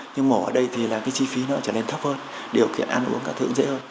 nhưng mổ ở đây thì cái chi phí nó trở nên thấp hơn điều kiện ăn uống các thứ cũng dễ hơn